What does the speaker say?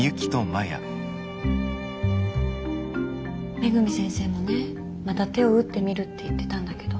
恵先生もねまた手を打ってみるって言ってたんだけど。